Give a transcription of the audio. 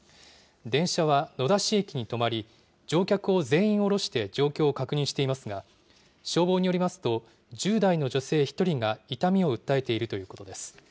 電車は野田市駅に止まり、乗客を全員降ろして状況を確認していますが、消防によりますと、１０代の女性１人が痛みを訴えているということです。